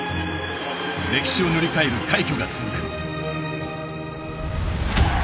歴史を塗り替える快挙が続く。